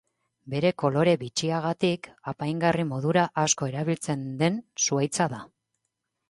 Bere kolore bitxiagatik, apaingarri modura asko erabiltzen den zuhaitza da.